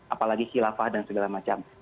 apalagi khilafah dan segala macam